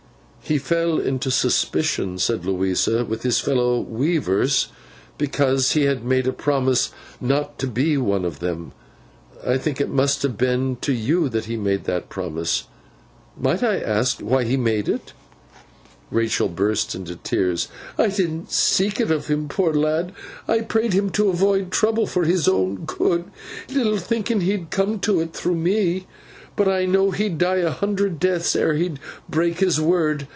'He fell into suspicion,' said Louisa, 'with his fellow weavers, because—he had made a promise not to be one of them. I think it must have been to you that he made that promise. Might I ask you why he made it?' Rachael burst into tears. 'I didn't seek it of him, poor lad. I prayed him to avoid trouble for his own good, little thinking he'd come to it through me. But I know he'd die a hundred deaths, ere ever he'd break his word.